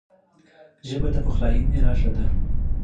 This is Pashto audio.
ژبه د پخلاینې نښه ده